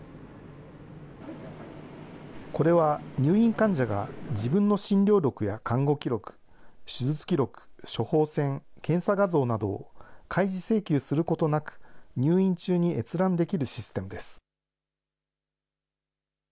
これは入院患者が自分の診療録や看護記録、手術記録、処方箋、検査画像などを開示請求することなく、入院中に閲覧できるシステムです。